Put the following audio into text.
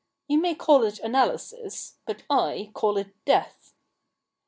You may call it analysis, but I call it death.'